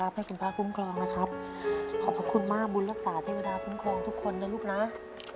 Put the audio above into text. ให้คุณพระคุ้มครองนะครับขอบพระคุณมากบุญรักษาเทวดาคุ้มครองทุกคนนะลูกนะ